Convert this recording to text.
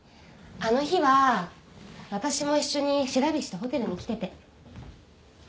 あの日は私も一緒に白菱とホテルに来てて。